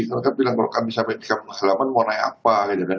karena kan bilang kalau kami sampai di kampung halaman mau naik apa